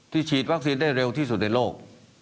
ฉีดวัคซีนได้เร็วที่สุดในโลก